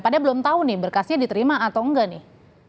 padahal belum tahu nih berkasnya diterima atau enggak nih